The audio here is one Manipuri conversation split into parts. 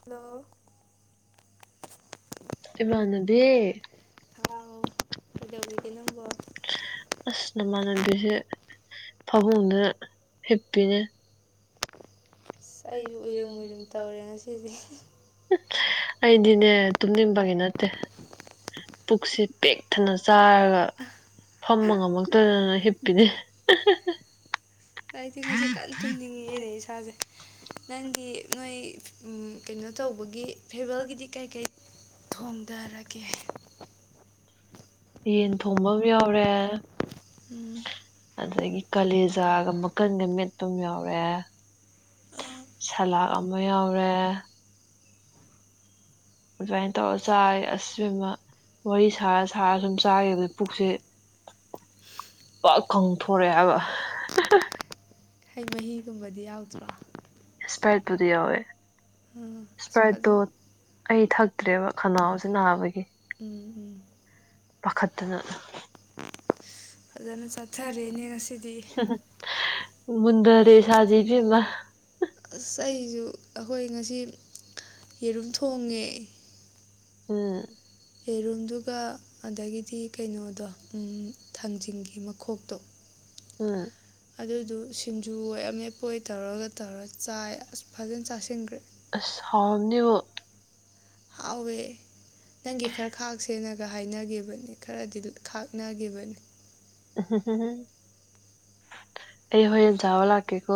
ꯍꯜꯂꯣ ꯏꯃꯥꯟꯅꯕꯤ ꯍꯥꯎ ꯀꯩꯗꯧꯔꯤꯒꯦ ꯅꯪꯕꯨ ꯑꯁ ꯅꯃꯥꯟꯅꯕꯤꯁꯦ ꯐꯝꯍꯨꯡꯗ ꯍꯤꯞꯄꯤꯅꯦ ꯏꯁ ꯑꯩꯖꯨ ꯎꯏꯔꯨꯝ ꯎꯏꯔꯨꯝ ꯇꯧꯔꯦ ꯉꯁꯤꯗꯤ ꯑꯩꯗꯤꯅꯦ ꯇꯨꯝꯅꯤꯡꯕꯒꯤ ꯅꯠꯇꯦ꯫ ꯄꯨꯛꯁꯦ ꯄꯤꯛ ꯊꯟꯅ ꯆꯥꯔꯒ ꯐꯝꯕ ꯉꯝꯃꯛꯇꯗꯅ ꯍꯤꯞꯄꯤꯅꯤ ꯑꯩꯗꯤ ꯉꯁꯤ ꯀꯟꯅ ꯇꯨꯝꯅꯤꯡꯉꯛꯑꯦꯅꯦ ꯏꯁꯥꯖꯦ ꯅꯪꯗꯤ ꯅꯣꯏ ꯎꯝ ꯀꯩꯅꯣ ꯇꯧꯕꯒꯤ ꯐꯦꯕꯜꯒꯤꯗꯤ ꯀꯩ ꯀꯩ ꯊꯣꯡꯗꯔꯒꯦ꯫ ꯌꯦꯟ ꯊꯣꯡꯕ ꯃꯥ ꯌꯥꯎꯔꯦ꯫ ꯎꯝ ꯑꯗꯒꯤ ꯀꯥꯂꯦꯖꯥꯒ ꯃꯀꯟꯒ ꯃꯦꯠꯄ ꯃꯥ ꯌꯥꯎꯔꯦ ꯁꯂꯥꯛ ꯑꯃꯥ ꯌꯥꯎꯔꯦ ꯑꯗꯨꯃꯥꯏ ꯇꯧꯔ ꯆꯥꯔꯦ ꯑꯁ ꯏꯕꯦꯝꯃꯥ ꯋꯥꯔꯤ ꯁꯥꯔꯥ ꯁꯥꯔꯥ ꯁꯨꯝ ꯆꯥꯒꯤꯕꯗ ꯄꯨꯛꯁꯦ ꯄꯥꯛ ꯀꯪꯊꯣꯔꯛꯑꯦ ꯍꯥꯏꯕ ꯍꯩ ꯃꯍꯤꯒꯨꯝꯕꯗꯤ ꯌꯥꯎꯗ꯭ꯔꯣ ꯏꯁꯄ꯭ꯔꯥꯠ ꯄꯨꯗꯤ ꯌꯥꯎꯋꯦ ꯎꯝ ꯑꯁ ꯏꯁꯄ꯭ꯔꯥꯠ ꯇꯣ ꯐꯖꯅ ꯑꯩ ꯊꯛꯇ꯭ꯔꯦꯕ ꯈꯅꯥꯎꯁꯦ ꯅꯥꯕꯒꯤ ꯎꯝ ꯎꯝ꯫ ꯄꯥꯈꯠꯇꯅ ꯐꯖꯅ ꯆꯥꯊꯔꯦꯅꯦ ꯉꯁꯤꯗꯤ ꯃꯟꯗꯔꯦꯁꯖꯤ ꯐꯃ ꯑꯁ ꯑꯩꯖꯨ ꯑꯈꯣꯏ ꯉꯁꯤ ꯌꯦꯔꯨꯝ ꯊꯣꯡꯉꯦ ꯎꯝ ꯌꯦꯔꯨꯝꯗꯨꯒ꯫ ꯑꯗꯒꯤꯗꯤ ꯀꯩꯅꯣꯗꯣ ꯊꯥꯡꯖꯤꯡꯒꯤ ꯃꯈꯣꯛꯇꯣ꯫ ꯑꯥ ꯑꯗꯨꯗꯨ ꯁꯤꯡꯖꯨꯣꯏ ꯑꯃꯦꯠꯄ ꯑꯣꯏ ꯇꯧꯔꯒ ꯇꯧꯔ ꯆꯥꯏ ꯑꯁ ꯐꯖꯅ ꯆꯥꯁꯤꯟꯈ꯭ꯔꯦ ꯑ ꯍꯥꯎꯅꯤꯕ ꯍꯥꯎꯋꯦ ꯅꯪꯒꯤ ꯈꯔ ꯈꯥꯛ ꯉꯥꯛ ꯁꯦꯟꯅꯒ ꯍꯥꯏꯅꯈꯤꯕꯅꯤ ꯈꯔꯗꯤ ꯈꯥꯛꯅꯈꯤꯕꯅꯤ ꯑ ꯍ ꯍ ꯍ ꯑꯩ ꯍꯣꯌꯦꯟ ꯆꯧꯑ ꯂꯥꯛꯀꯦꯀꯣ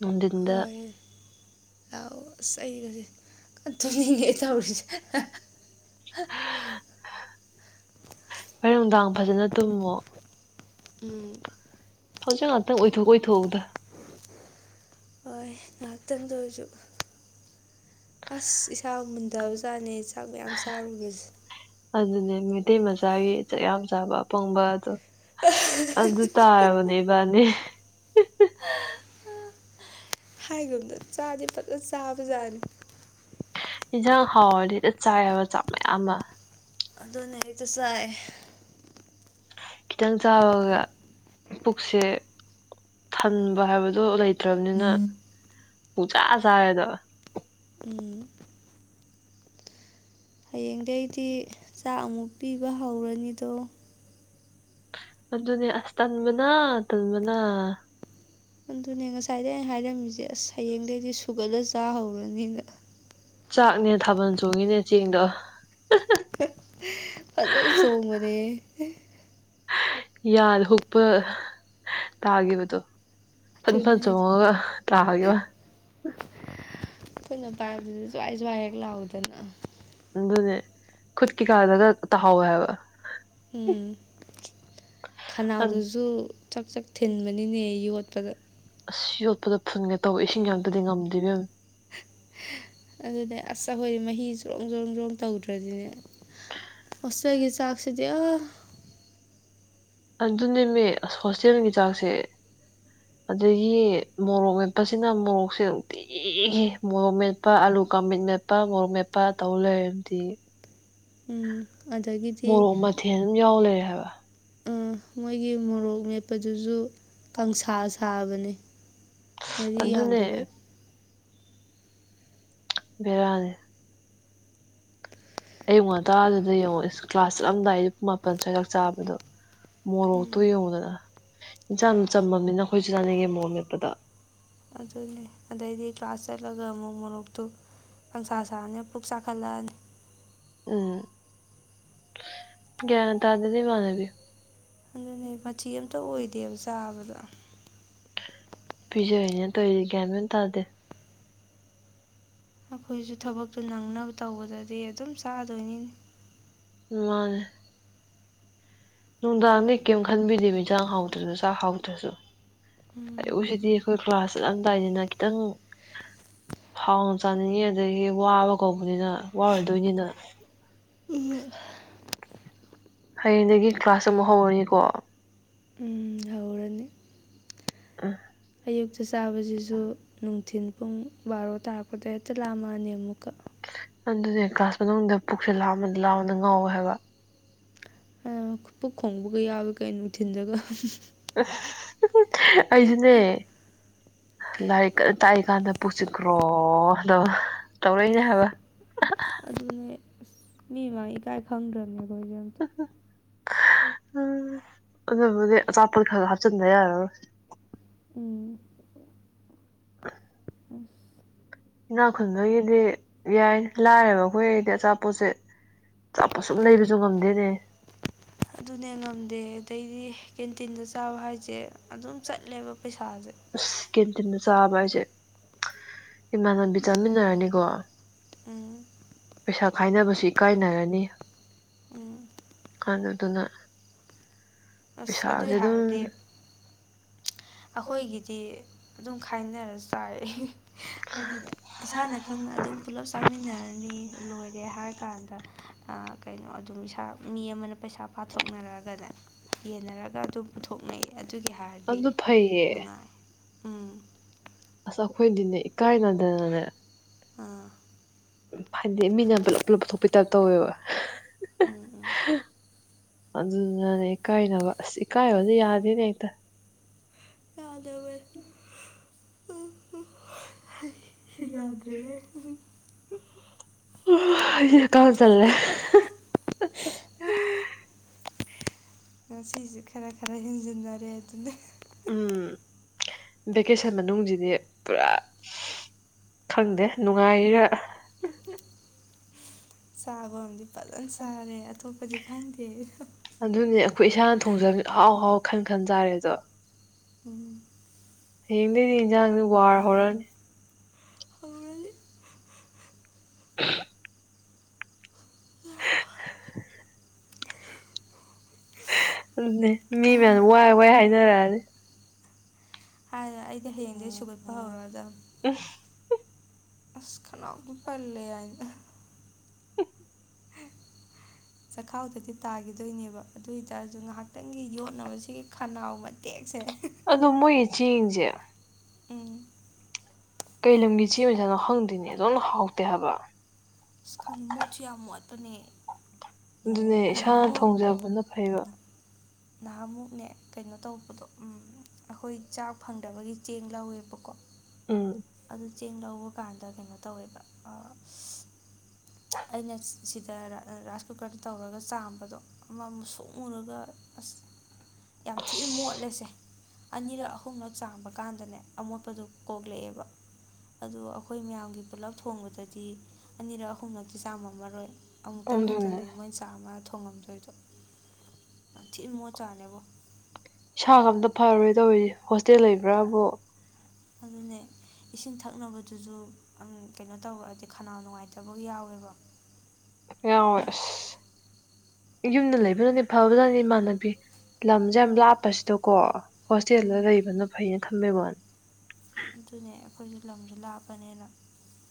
ꯅꯨꯡꯊꯤꯟꯗ ꯍꯣꯏ ꯂꯥꯛꯑꯣ ꯑꯁ ꯑꯩꯒꯁꯦ꯫ ꯊꯨꯏꯉꯦ ꯇꯧꯔꯤꯁꯦ ꯍꯣꯏ ꯅꯨꯡꯗꯥꯡ ꯐꯖꯅ ꯇꯨꯝꯃꯣ ꯎꯝ ꯍꯧꯖꯤꯛ ꯉꯥꯛꯇꯪ ꯑꯨꯏꯊꯣꯛ ꯑꯣꯏꯊꯣꯛꯎꯗ ꯍꯣꯏ ꯉꯥꯏꯍꯥꯛꯇꯪꯗ ꯑꯣꯏꯁꯨ꯫ ꯑꯁ ꯏꯁꯥ ꯃꯨꯟꯊꯕꯖꯥꯠꯅꯦ ꯆꯥꯛ ꯃ ꯌꯥꯝ ꯆꯥꯔꯨꯕꯁꯦ ꯑꯗꯨꯅꯦ ꯃꯦꯇꯩ ꯃꯆꯥꯒꯤ ꯆꯥꯛ ꯌꯥꯝ ꯆꯥꯕ ꯑꯄꯪꯕ ꯑꯗꯣ ꯑꯗꯨ ꯇꯥꯔꯕꯅꯦ ꯏꯕꯥꯅꯤ ꯍꯥꯏꯒꯨꯝꯗ ꯆꯥꯗꯤ ꯐꯖ ꯆꯥꯕ ꯖꯥꯠꯅꯤ ꯏꯟꯖꯥꯡ ꯍꯥꯎꯗꯤꯗ ꯆꯥꯏꯕ ꯆꯞ ꯃꯌꯥꯝ ꯑꯃ ꯑꯗꯨꯅ ꯑꯩ ꯆꯁꯥꯏ꯫ ꯈꯤꯇꯪ ꯆꯥꯕꯒ ꯄꯨꯛꯁꯦ ꯊꯟꯕ ꯍꯥꯏꯕꯗꯣ ꯂꯩꯇ꯫ ꯇ꯭ꯔꯝꯅꯤꯅ ꯄꯨꯆꯥꯥ ꯆꯥꯔꯦꯗ ꯎ꯫ ꯍꯌꯦꯡꯗꯒꯤꯩꯗꯤ ꯆꯥꯛ ꯑꯃꯨꯛ ꯄꯤꯕ ꯍꯧꯔꯅꯤꯗꯣ ꯑꯗꯨꯅꯦ ꯑꯁ ꯇꯟꯕꯅ ꯇꯜꯕꯅ ꯑꯗꯨꯅꯦ ꯉꯁꯥꯏꯗ ꯑꯩꯅ ꯍꯥꯏꯔꯝꯃꯤꯁꯦ ꯑꯁ ꯍꯌꯦꯡꯗꯒꯤꯩꯗꯤ ꯁꯨꯒꯠꯂ ꯆꯥꯍꯧꯔꯅꯤꯅ꯫ ꯆꯥꯛꯅꯦ ꯊꯥꯕꯟ ꯆꯣꯡꯉꯤꯅꯦ ꯆꯦꯡꯗꯣ ꯑꯗ ꯆꯣꯡꯃꯅꯦ꯫ ꯌꯥꯗ ꯎꯄ ꯇꯥꯒꯤꯗꯨ꯫ ꯐꯟ ꯑꯊꯨꯅ ꯐꯟ ꯍꯥꯏꯁꯦ ꯆꯣꯡꯉꯒ ꯇꯥꯒꯤꯕ ꯑꯩꯈꯣꯏꯅ ꯄꯥꯏꯕꯗꯨꯗ ꯁꯖ꯭ꯋꯥꯏ ꯁ꯭ꯋꯥꯏ ꯍꯦꯛ ꯂꯥꯎꯗꯅ ꯑꯗꯨꯅꯦ ꯈꯨꯠ ꯀꯩꯀꯥꯗꯨꯒ ꯇꯥꯍꯧꯎꯋꯦ ꯍꯥꯏꯕ ꯎꯝ ꯈꯅꯥꯎꯗꯨꯁꯨ ꯆꯥꯛ ꯆꯥꯛ ꯊꯤꯟꯕꯅꯤꯅꯦ ꯌꯣꯠꯄꯗ꯫ ꯑꯁ ꯌꯣꯠꯄꯗ ꯐꯨꯟꯒꯦ ꯇꯧꯕ ꯏꯁꯤꯡ ꯑꯝꯇꯗꯤ ꯉꯝꯗ꯭ꯔꯤꯕ ꯑꯗꯨꯅꯦ ꯑꯁ ꯑꯈꯣꯏꯗꯤ ꯃꯍꯤ ꯆꯣꯔꯣꯡ ꯖꯣꯔꯣꯡ ꯖꯣꯝ ꯇꯧꯗ꯭ꯔꯗꯤꯅꯦ ꯍꯁꯗꯒꯤ ꯆꯥꯛꯁꯤꯗꯌꯥꯣ ꯑꯗꯨꯅꯦꯃꯦ ꯑꯁ ꯍꯣꯁꯇꯦꯜꯒꯤ ꯆꯥꯛꯁꯦ꯫ ꯎ꯫ ꯑꯗꯒꯤ ꯃꯣꯔꯣꯛ ꯃꯦꯠꯄꯁꯤꯅ ꯃꯣꯔꯣꯛꯁꯦ ꯎꯇꯤꯒꯤ ꯃꯣꯔꯣꯛ ꯃꯦꯠꯄ ꯑꯂꯨ ꯀꯥꯡꯃꯤꯠ ꯃꯦꯠ ꯃꯄꯥ ꯃꯣꯔꯣꯛ ꯃꯦꯄꯥ ꯇꯧ ꯂꯩꯔꯗꯤ ꯎꯝ ꯑꯗꯒꯤꯗꯤ ꯃꯣꯔꯣꯛ ꯃꯊꯦꯜ꯫ ꯑꯗꯨꯝ ꯌꯥꯎ ꯂꯩꯔꯦ ꯍꯥꯏꯕ ꯃꯣꯏꯒꯤ ꯃꯣꯔꯣꯛ ꯃꯦꯠꯄꯗꯨꯁꯨ꯫ ꯀꯥꯡꯁꯥ ꯁꯥꯕꯅꯤ ꯉꯔꯤ ꯑꯗꯨꯅꯦ ꯌꯥꯝꯗꯕꯩ꯫ ꯕꯤꯔꯅꯤ ꯑꯩꯨ ꯉꯇꯥꯗꯨꯗ ꯌꯦꯡꯉ ꯀ꯭ꯂꯥꯁ ꯆꯠꯂꯝꯗꯥꯏ ꯑꯌꯨꯛ ꯃꯥꯄꯟ ꯁ꯭ꯋꯥꯏ ꯆꯥꯛ ꯆꯥꯕꯗꯣ ꯃꯣꯔꯣꯛꯇꯣ ꯎꯝ ꯌꯦꯡꯉꯨꯗꯅ ꯏꯟꯁꯥꯡꯅ ꯆꯝꯃꯝꯅꯤꯅ ꯑꯩꯈꯣꯏꯁꯨ ꯆꯥꯅꯦꯒꯤ ꯃꯣꯔꯣꯛ ꯃꯦꯠꯄꯗ ꯑꯗꯨꯅꯦ ꯑꯗꯩꯗꯤ ꯀ꯭ꯂꯥꯁ ꯆꯠꯂꯒ ꯑꯃꯨꯛ ꯃꯣꯔꯣꯛꯇꯨ ꯄꯪꯁꯥ ꯁꯥꯅꯤ ꯕꯨꯛꯁꯥ ꯈꯂꯜ ꯎꯝ ꯒꯌꯥꯟ ꯇꯥꯗꯦꯗ ꯏꯃꯥꯟꯅꯕꯤ ꯑꯗꯨꯩ ꯃꯆꯤ ꯑꯝꯇ ꯑꯣꯏꯗꯦꯕ ꯆꯥꯕꯗ ꯄꯤꯖꯔꯤꯅꯦ ꯇꯧꯔꯤꯗꯤ ꯒꯌꯥꯃꯦꯟ ꯇꯥꯗꯦ ꯑꯩꯈꯣꯏꯁꯨ ꯊꯕꯛꯇꯨ ꯅꯪꯅꯕ ꯇꯧꯕꯗꯗꯤ ꯑꯗꯨꯝ ꯆꯥꯗꯣꯏꯅꯤ ꯃꯉ ꯅꯨꯡꯗꯥꯡꯗ ꯀꯩꯝ ꯈꯟꯕꯤꯗꯦꯕ ꯌꯦꯟꯖꯥꯡ ꯍꯥꯎꯗ꯭ꯔꯁꯨ ꯆꯥꯛ ꯍꯥꯎꯗ꯭ꯔꯁꯨ ꯎꯝ ꯑꯌꯨꯛꯁꯤꯗꯤ ꯑꯩꯈꯣꯏ ꯀ꯭ꯂꯥꯁ ꯆꯠꯂꯂꯝꯗꯥꯏꯗꯅ ꯈꯤꯇꯪ ꯍꯥꯎꯅ ꯆꯥꯅꯤꯡꯉꯤ ꯑꯗꯒꯤ ꯋꯥꯕ ꯀꯧꯕꯅꯤꯅ ꯋꯥꯔꯗꯣꯏꯅꯤꯅ ꯎꯝ ꯍꯌꯦꯡꯗꯒꯤ ꯀ꯭ꯂꯥꯁ ꯑꯃꯨꯛ ꯍꯧꯔꯅꯤꯀꯣ ꯎꯝ ꯍꯧꯔꯅꯤ ꯑ ꯑꯌꯨꯛꯇ ꯆꯥꯕꯁꯤꯁꯨ ꯅꯨꯡꯊꯤꯟ ꯄꯨꯡ ꯕꯥꯔꯣ ꯇꯥꯔꯛꯄꯗ ꯍꯦꯛꯇ ꯂꯥꯝꯃꯑꯅꯤ ꯑꯃꯨꯛꯀ ꯑꯗꯨꯅꯦ ꯀ꯭ꯂꯥꯁ ꯃꯅꯨꯡꯗ ꯄꯨꯛꯁꯦ ꯂ ꯂꯥꯎꯃꯅ ꯉꯥꯎꯋꯦ ꯍꯥꯏꯕ ꯄꯨꯛ ꯈꯣꯡꯕꯒ ꯌꯥꯕ ꯀꯩ ꯅꯨꯡꯊꯤꯟꯖꯒ ꯑꯩꯁꯨꯅꯦ [unintelligible] ꯂꯥꯏꯔꯤꯛ ꯇꯥꯛꯏꯀꯥꯟꯗ ꯄꯨꯁꯤꯠꯈ꯭ꯔꯣ ꯑꯗꯣ ꯇꯧꯔꯛꯏꯅꯦ ꯍꯥꯏꯕ ꯑꯗꯨꯅꯦ ꯑꯁ ꯃꯤ ꯃꯥ ꯏꯀꯥꯏ ꯈꯪꯗ꯭ꯔꯕꯅꯤꯈꯣꯏꯖ ꯎ ꯑ ꯃ ꯆꯥꯄꯜ ꯈꯥꯒ ꯍꯥꯥꯞꯆꯗ ꯌꯥꯔꯣ ꯎꯝ ꯍꯨꯝꯃꯝ ꯏꯅꯥꯈ ꯈꯨꯟꯕꯒꯤꯗꯤ ꯌꯥꯏ ꯂꯥꯏꯔꯦꯕ ꯑꯩꯈꯣꯏꯔꯗꯤ ꯑꯆꯥꯄꯣꯠꯁꯦ ꯆꯞꯄ ꯁꯨꯝ ꯂꯩꯕꯁꯨ ꯉꯝꯗꯦꯅꯦ ꯑꯗꯨꯅꯦ ꯉꯝꯗꯦ ꯑꯗꯩꯗꯤ ꯀꯦꯟꯇꯤꯟꯗ ꯆꯥꯕ ꯍꯥꯏꯁꯦ ꯑꯗꯨꯝ ꯆꯠꯂꯦꯕ ꯄꯩꯁꯥꯁꯦ ꯑꯁ ꯀꯦꯟꯇꯤꯟꯗ ꯆꯥꯕ ꯍꯥꯏꯁꯦ ꯏꯃꯥꯟꯅ ꯕꯤ ꯆꯥꯃꯤꯟꯅꯔꯅꯤꯀꯣ ꯑ ꯄꯩꯁꯥ ꯈꯥꯏꯅꯕꯁꯤ ꯏꯀꯥꯏꯅꯔꯅꯤ ꯎꯝ ꯑ ꯑꯗꯨꯅ ꯑꯁ ꯑꯗꯨꯏ ꯄꯩꯁꯥꯁꯦ ꯑꯗꯨꯝ ꯍꯥꯏꯔꯗꯤ ꯑꯩꯈꯣꯏꯒꯤꯗꯤ ꯑꯗꯨꯝ ꯈꯥꯏꯅꯔ ꯆꯥꯏꯔꯦ ꯍꯥꯏꯗꯨꯅ ꯏꯁꯥꯅ ꯈꯪꯅ ꯑꯗꯨꯝ ꯄꯨꯂꯞ ꯆꯥꯃꯤꯟꯅꯔꯅꯤ ꯂꯣꯏꯔꯦ ꯍꯥꯏꯔ ꯀꯥꯟꯗ ꯀꯩꯅꯣ ꯑꯗꯨꯝ ꯏꯁꯥ ꯃꯤ ꯑꯃꯅ ꯄꯩꯁꯥ꯫ ꯄꯥꯊꯣꯛꯅꯔꯒꯅꯦ ꯌꯦꯟꯅꯔꯒ ꯑꯗꯨꯝ ꯄꯨꯊꯣꯛꯅꯩ ꯑꯗꯨꯒꯤ ꯍꯥꯏꯔꯗꯤ꯫ ꯑꯗꯨ ꯐꯩꯌꯦ ꯇꯥꯏ ꯎꯝ ꯑꯁ ꯑꯩꯈꯣꯏꯗꯤꯅꯦ ꯏꯀꯥꯏꯅꯗꯅ ꯑꯥ ꯎ ꯍꯥꯏꯗꯤ ꯃꯤꯅ ꯄꯨꯂꯞ ꯄꯨꯂꯞ ꯂꯧꯞꯊꯣꯛꯄꯤꯇꯕ ꯇꯧꯋꯦꯕ ꯎꯝ ꯎꯝ ꯑꯗꯨꯗꯨꯅꯅꯦ ꯏꯀꯥꯏꯅꯕ ꯑꯁ ꯏꯀꯥꯏꯕꯗꯤ ꯌꯥꯗꯦꯅꯦ ꯍꯦꯛꯇ ꯌꯥꯥꯗꯕ ꯌꯥꯗ꯭ꯔꯦ ꯍꯡ ꯀꯥ ꯆꯜꯂꯦ ꯁꯤꯁꯦ ꯈꯔ ꯈꯔ ꯍꯦꯟꯖꯤꯟꯅꯔꯦ ꯑꯗꯨꯅ ꯎꯝ ꯚꯦꯀꯦꯁꯟ ꯃꯅꯨꯡꯁꯤꯗꯤ ꯄꯨꯔꯥ ꯈꯪꯗꯦ ꯅꯨꯡꯉꯥꯏꯔ [unintelligible] ꯆꯥꯕ ꯑꯝꯗꯤ ꯐꯖꯅ ꯆꯥꯔꯦ ꯑꯇꯣꯞꯄꯗꯤ ꯈꯪꯗꯦ꯫ ꯑꯗꯨꯅꯦ ꯑꯩꯈꯣꯏ ꯏꯁꯥꯅ ꯊꯣꯡꯖꯕ ꯍꯥꯎ ꯍꯥꯎ ꯈꯟ ꯈꯟ ꯆꯥꯔꯦꯗꯣ [inaudible] ꯍꯌꯦꯡꯗꯩꯗꯤ ꯏꯟꯖꯥꯡꯁꯤ ꯋꯥꯔ ꯍꯧꯔꯅꯤ [inaudible] [inaudible] [inaudible] ꯑꯗꯨ ꯃꯤ ꯃꯌꯥꯝ ꯋꯥꯏ ꯋꯥꯏ ꯍꯥꯏꯅꯔꯛꯑꯅꯤ ꯑꯩꯗꯤ ꯍꯌꯦꯡꯗꯒꯤ ꯁꯨꯒꯠꯄ ꯍꯧꯔꯗ꯫ [unintelligible] ꯏꯁ ꯈꯅꯥꯎꯒꯤ ꯄꯜꯂꯦ ꯑꯏꯗ ꯆꯈꯥꯎꯗꯗꯤ ꯇꯥꯈꯤꯗꯣꯏꯅꯦꯕ ꯑꯗꯨ ꯑꯣꯏꯇꯥꯔꯁꯨ ꯉꯥꯏꯍꯥꯛꯇꯪꯒꯤ ꯌꯣꯟꯠꯅꯕꯁꯤꯒꯤ ꯈꯅꯥꯎ ꯃꯇꯦꯛꯁꯦ ꯑꯗꯨ ꯃꯣꯏꯒꯤ ꯆꯦꯡꯁꯦ ꯎꯝ ꯀꯩ ꯂꯝꯒꯤ ꯆꯦ ꯃꯆꯥꯥꯅꯣ ꯍꯪꯗꯣꯏꯅꯦ ꯑꯗꯨꯝꯅ ꯍꯥꯎꯇꯦ ꯍꯥꯏꯕ꯫ ꯑꯁ ꯃꯣꯠꯁꯨ ꯌꯥꯝ ꯃꯣꯠꯄꯅꯦ ꯑꯗꯨꯅꯦ ꯏꯁꯥꯅ ꯅꯍꯥꯟꯃꯨꯛ ꯊꯣꯡꯖꯕꯅ ꯐꯩꯕ ꯅꯍꯥꯃꯨꯛꯅꯦ ꯀꯩꯅꯣ ꯇꯧꯕꯗꯣ ꯎꯝ ꯑꯩꯈꯣꯏ ꯆꯥꯛ ꯐꯪꯗꯕꯒꯤ ꯆꯦꯡ ꯂꯧꯋꯦꯕꯀꯣ꯫ ꯎꯝ ꯑꯗꯨ ꯆꯦꯡ ꯂꯧꯕ ꯀꯥꯟꯗ ꯀꯩꯅꯣ ꯇꯧꯋꯦꯕ ꯑꯩꯅ ꯁꯤꯗ ꯔꯥꯏꯁ ꯀꯨꯀꯔꯗ ꯇꯧꯔꯒ ꯆꯥꯝꯕꯗꯣ ꯑꯃ ꯑꯃ ꯁꯣꯛꯉꯨꯔꯒ ꯑꯁ ꯌꯥꯝ ꯊꯤꯅ ꯃꯣꯠꯂꯦꯁꯦ ꯑꯅꯤꯔꯛ ꯈꯨꯡꯅ ꯆꯥꯡꯕ ꯀꯥꯟꯗꯅꯦ ꯑꯃꯣꯠꯄꯗꯨ ꯀꯣꯛꯂꯛꯑꯦꯕ ꯑꯗꯨꯗ ꯑꯩꯈꯣꯏ ꯃꯌꯥꯝꯒꯤ ꯄꯨꯂꯞ ꯊꯣꯡꯕꯗꯗꯤ ꯑꯅꯤ ꯈꯣꯡꯅꯛꯇꯤ ꯆꯥꯝꯃꯝꯃꯔꯣꯏ ꯑꯃꯨꯛꯇꯪ ꯑꯗꯨꯅꯦ ꯈꯛꯇꯅꯦ ꯃꯣꯏꯅ ꯆꯥ ꯑꯃ ꯊꯣꯡꯉꯝꯗꯣꯏꯗꯣ ꯊꯤ ꯃꯣ ꯆꯥꯅꯦꯕꯣ ꯏꯁꯥꯒꯥ ꯑꯃꯥꯇ ꯐꯔꯣꯏ ꯇꯧꯔꯤꯁꯤ ꯍꯣꯁꯇꯦꯜ ꯂꯩꯕ꯭ꯔꯥꯕꯨ ꯑꯗꯨꯅꯦ꯫ ꯏꯁꯤꯡ ꯊꯛꯅꯕꯗꯨꯁꯨ ꯀꯩꯅꯣ ꯇꯧꯔꯛꯑꯗꯤ ꯈꯅꯥꯎ ꯅꯨꯡꯉꯥꯏꯇꯕ ꯌꯥꯎꯋꯦꯕ ꯌꯥꯎꯋꯦ ꯑꯁ ꯌꯨꯝꯗ ꯂꯩꯕꯗꯨꯅꯤ ꯐꯕꯗꯅꯤ ꯏꯃꯥꯟꯅꯕꯤ ꯂꯝꯁꯦ ꯌꯥꯝ ꯂꯥꯞꯄꯁꯤꯗꯀꯣ ꯍꯣꯁꯇꯦꯜꯗ ꯂꯩꯕꯅ ꯐꯩꯅ ꯈꯟꯕꯩ ꯋꯥꯅꯤ ꯑꯗꯨꯅꯦ ꯑꯩꯈꯣꯏꯁꯨ ꯂꯝꯁꯨꯦ ꯂꯥꯞꯄꯅꯦꯅ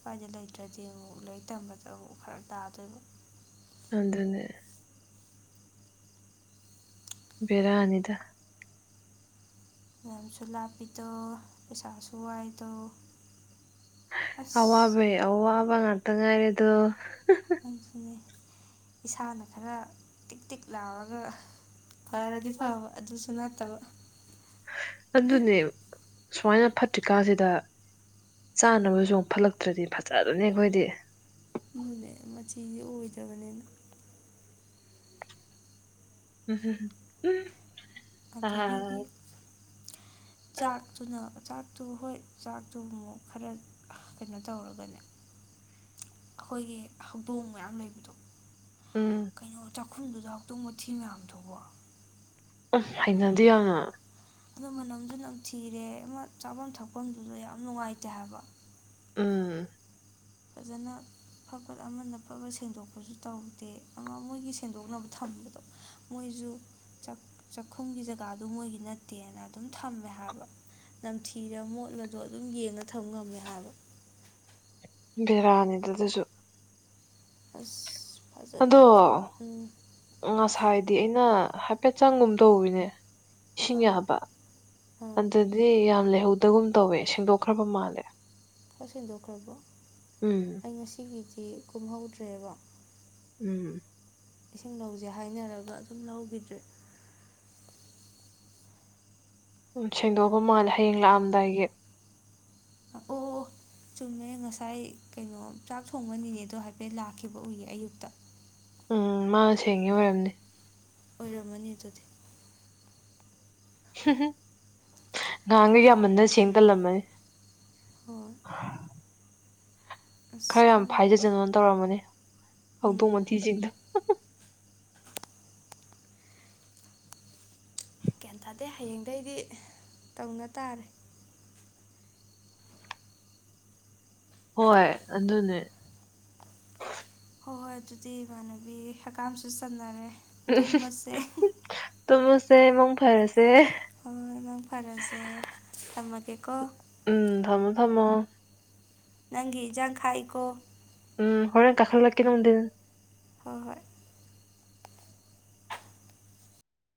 ꯁ꯭ꯋꯥꯏꯗ ꯂꯩꯇ꯭ꯔꯗꯤ ꯑꯃꯨꯛ ꯂꯥꯏꯔꯤꯛ ꯇꯝꯕꯗ ꯑꯃꯨꯛ ꯐꯔꯛ ꯇꯥꯗꯣꯏꯕ ꯑꯗꯨꯅꯦ ꯕꯦꯔꯥꯅꯤꯗ ꯂꯝꯁꯨ ꯂꯥꯞꯄꯤꯗꯣ ꯄꯩꯁꯥꯁꯨ ꯋꯥꯏꯗꯣ ꯑꯁ ꯑꯋꯥꯕꯧ ꯑꯋꯥꯕ ꯉꯇ ꯉꯥꯏꯔꯦꯗꯣ ꯑꯗꯨꯅꯦ ꯏꯁꯥꯅ ꯈꯔ ꯇꯤꯛ ꯇꯤꯛ ꯂꯥꯎꯑꯒ ꯐꯔꯗꯤ ꯐꯕ ꯑꯗꯨꯁꯨ ꯅꯠꯇꯕ ꯑꯗꯨꯅꯦ ꯁꯨꯃꯥꯏꯅ ꯐꯠꯇ꯭ꯔꯤꯀꯥꯟꯁꯤꯗ ꯆꯥꯅꯕꯁꯨ ꯑꯃ ꯐꯠꯂꯛꯇ꯭ꯔꯗꯤ ꯐꯖꯔꯅꯤ ꯑꯩꯈꯣꯏꯗꯤ ꯑꯗꯨꯅꯦ ꯃꯆꯤꯁꯦ ꯑꯣꯏꯗꯕꯅꯤꯅ [unintelligible] ꯑꯗꯒꯤꯗꯤ ꯎꯝ ꯆꯥꯛꯇꯨꯅ ꯆꯥꯛꯇꯨ ꯍꯣꯏ ꯆꯥꯛꯇꯨ ꯑꯃꯨꯛ ꯈꯔ ꯀꯩꯅꯣ ꯇꯧꯔꯒꯅꯦ ꯑꯩꯈꯣꯏꯒꯤ ꯍꯧꯗꯣꯡ ꯃꯌꯥꯝ ꯂꯩꯕꯗꯣ ꯀꯩꯅꯣ ꯈꯨꯝꯗꯨꯗ ꯍꯥꯎꯇꯣꯡ ꯃꯊꯤ ꯃꯌꯥꯝꯗꯨꯕꫭ ꯎꯝ ꯍꯩꯅꯗꯤ ꯌꯥꯝꯅ ꯑꯗꯨ ꯃꯅꯝꯁꯨ ꯅꯝꯊꯤꯔꯦ ꯑꯃ ꯆꯥꯐꯝ ꯊꯛꯐꯝꯗꯨꯗ ꯌꯥꯝ ꯅꯨꯡꯉꯥꯏꯇꯦ ꯍꯥꯏꯕ ꯎꯝ ꯐꯖꯅ ꯐꯠ ꯐꯠ ꯑꯃꯅ ꯐꯠ ꯐꯠ ꯁꯦꯡꯗꯣꯛꯄꯖꯨ ꯇꯧꯗꯦ ꯑꯃ ꯃꯣꯏꯒꯤ ꯁꯦꯡꯗꯣꯛꯅꯕ ꯊꯝꯕꯗꯣ ꯃꯣꯏꯁꯨ ꯆꯥꯛ ꯆꯥꯛꯈꯨꯝꯒꯤ ꯖꯒꯥꯗꯨ ꯃꯣꯏꯒꯤ ꯅꯠꯇꯦꯅ ꯑꯗꯨꯝ ꯊꯝꯃꯦ ꯍꯥꯏꯕ ꯅꯝꯊꯤꯔ ꯃꯣꯠꯂꯗꯣ ꯑꯗꯨꯝ ꯌꯦꯡꯉ ꯊꯝ ꯉꯝꯃꯦ ꯍꯥꯏꯕ ꯕ‌ꯦꯔꯥꯅꯤ ꯑꯗꯨꯗꯁꯨ ꯑꯁ ꯐꯖꯅ ꯑꯗꯣ ꯐꯖꯅ ꯎꯝ ꯉꯁꯥꯏꯗꯤ ꯑꯩꯅ ꯍꯥꯏꯄꯦꯠ ꯆꯪꯒꯨꯝ ꯇꯧꯋꯤꯅꯦ ꯏꯁꯤꯡ ꯑꯥ ꯌꯥꯕ ꯑꯥ ꯑꯗꯨꯗꯤ ꯌꯥꯝ ꯂꯩꯍꯧꯗꯒꯨꯝ ꯇꯧꯋꯦ ꯁꯦꯡꯗꯣꯛꯈ꯭ꯔꯕ ꯃꯥꯜꯂꯦ ꯀ ꯁꯟꯗꯣꯛꯈ꯭ꯔꯕꯣ ꯎꯝ ꯑꯩ ꯉꯁꯤꯒꯤꯗꯤ ꯀꯨꯝꯍꯧꯗ꯭ꯔꯦꯕ ꯎꯝ ꯏꯁꯤꯡ ꯂꯧꯁꯦ ꯍꯥꯏꯅꯔꯒ ꯑꯗꯨꯝ ꯂꯧꯈꯤꯗ꯭ꯔꯦ ꯎꯝ ꯁꯦꯡꯗꯣꯛꯈꯔ ꯃꯥꯜꯂꯦ ꯍꯌꯦꯡ ꯂꯥꯛꯑꯝꯗꯥꯏꯒꯤ ꯑꯣ ꯑꯣ ꯆꯨꯝꯃ‌ꯦ ꯉꯁꯥꯏ ꯀꯩꯅꯣ ꯆꯥꯛ ꯊꯣꯡꯕ ꯅꯤꯅꯦ ꯗꯣ ꯍꯥꯏꯐꯦꯠ ꯂꯥꯛꯈꯤꯕ ꯎꯌꯦ ꯑꯌꯨꯛꯇ ꯎꯝ ꯃꯥ ꯁꯦꯡꯉꯤ ꯑꯣꯏꯔꯝꯅꯤ ꯑꯣꯏꯔꯝꯃꯅꯤ ꯑꯗꯨꯗꯤ ꯍꯝ ꯍꯝ ꯅꯍꯥꯟꯒꯩ ꯌꯥꯝꯃꯟꯗ ꯁꯦꯡ ꯇꯜꯂꯝꯃꯅꯤ ꯍ‌ꯣꯏ ꯑꯁ ꯈꯔ ꯌꯥꯝ ꯈꯪꯗꯦ ꯐꯥꯏꯖꯁꯅꯣꯅ ꯇꯧꯔꯝꯕꯅꯤ ꯎꯝ ꯍꯧꯗꯣꯡ ꯃꯊꯤꯁꯤꯡꯗ‌ꯣ [inaudible] ꯒꯌꯥꯟ ꯇꯥꯗꯦ ꯍꯌꯦꯡꯗꯩꯗꯤ ꯇꯧꯅ ꯇꯥꯔꯦ ꯍꯣꯏ ꯑꯗꯨꯅꯦ ꯍꯣꯏ ꯍꯣꯏ ꯑꯗꯨꯗꯤ ꯏꯃꯥꯟꯅꯕꯤ ꯍꯀꯝꯁꯨ ꯆꯟꯅꯔꯦ ꯇꯨꯝꯃꯁꯦ ꯇꯨꯝꯃꯁꯦ ꯃꯪ ꯐꯔꯁꯦ ꯍꯣꯏ ꯍ‌ꯣꯏ ꯃꯪ ꯐꯔꯁꯦ ꯊꯝꯃꯒꯦꯀꯣ ꯎꯝ ꯊꯝꯃꯣ ꯊꯝꯃꯣ ꯅꯪꯒꯤ ꯏꯟꯖꯥꯡ ꯈꯛꯏꯀꯣ ꯎꯝ ꯍꯣꯏꯔ‌ꯦꯟ ꯀꯈꯠꯂꯛꯀꯦ ꯅꯨꯡꯊꯤꯜ ꯍꯣꯏ ꯍꯣꯏ